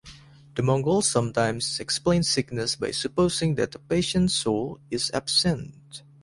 The Mongols sometimes explain sickness by supposing that the patient's soul is absent.